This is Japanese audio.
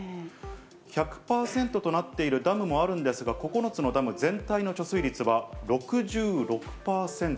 １００％となっているダムもあるんですが、９つのダム全体の貯水率は６６％。